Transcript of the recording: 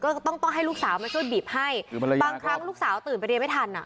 ก็ต้องต้องให้ลูกสาวมาช่วยบีบให้บางครั้งลูกสาวตื่นไปเรียนไม่ทันอ่ะ